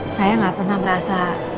saya gak pernah merasa